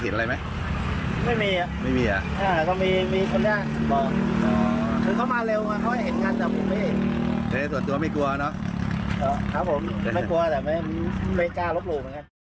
ครับผมไม่กลัวแต่ไม่กล้ารบหลู่